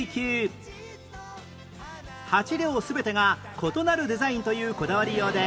８両全てが異なるデザインというこだわりようで